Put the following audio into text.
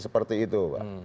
seperti itu pak